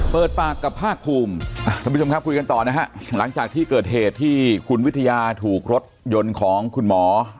เปิดปากกับภาคภูมิท่านผู้ชมครับคุยกันต่อนะฮะหลังจากที่เกิดเหตุที่คุณวิทยาถูกรถยนต์ของคุณหมอ